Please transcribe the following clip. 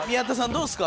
どうですか？